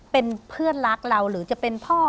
เป็นเพื่อนรักเราหรือจะเป็นพ่อ